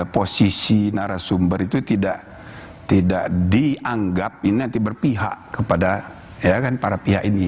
posisi narasumber itu tidak dianggap ini nanti berpihak kepada para pihak ini